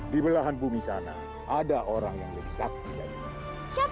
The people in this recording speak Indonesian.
di belahan bumi sana ada orang yang lebih sakti dari mana